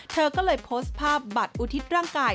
เธอก็เลยโพสต์ภาพบัตรอุทิศร่างกาย